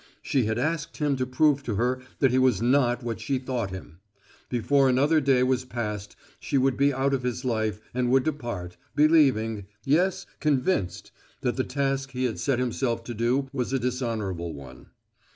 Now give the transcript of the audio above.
She had asked him to prove to her that he was not what she thought him. Before another day was past she would be out of his life and would depart, believing yes, convinced that the task he had set himself to do was a dishonorable one.